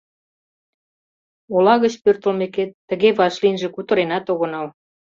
— Ола гыч пӧртылмекет, тыге вашлийынже кутыренат огынал.